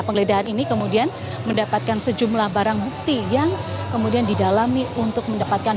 penggeledahan ini kemudian mendapatkan sejumlah barang bukti yang kemudian didalami untuk mendapatkan